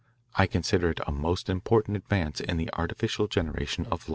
I consider it a most important advance in the artificial generation of life.